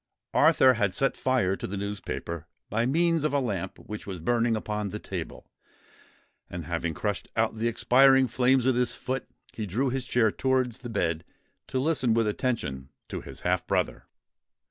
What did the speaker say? Arthur had set fire to the newspaper by means of a lamp which was burning upon the table; and, having crushed out the expiring flames with his foot, he drew his chair towards the bed, to listen with attention to his half brother.